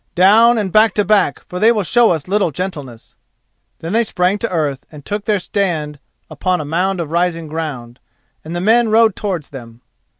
Down, and back to back, for they will show us little gentleness." Then they sprang to earth and took their stand upon a mound of rising ground—and the men rode towards them.